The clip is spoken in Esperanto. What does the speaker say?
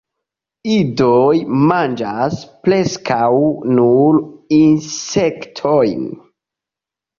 Idoj manĝas preskaŭ nur insektojn.